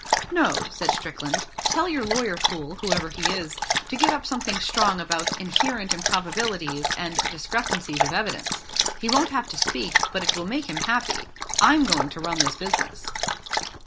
'No,' said Strickland. 'Tell your lawyer fool, whoever he is, to get up something strong about "inherent improbabilities" and "discrepancies of evidence". He won't have to speak, but it will make him happy, I'm going to run this business.'